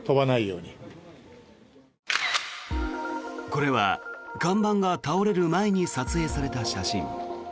これは看板が倒れる前に撮影された写真。